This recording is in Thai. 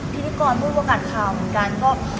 พิธีกรผู้ประกาศข่าวเหมือนกัน